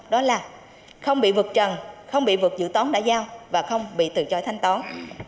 đó là không bị vượt trần không bị vượt dự tón đã giao và không bị từ chối thanh tón